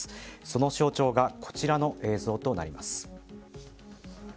その象徴がこちらの映像となります。